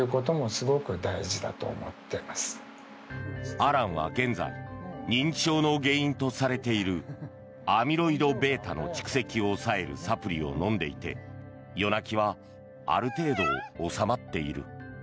アランは現在認知症の原因とされているアミロイドβの蓄積を抑えるサプリを飲んでいて夜鳴きはある程度収まっている。